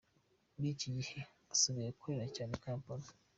Muri iki gihe asigaye akorera cyane i Kampala.